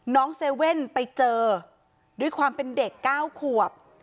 เซเว่นไปเจอด้วยความเป็นเด็ก๙ขวบ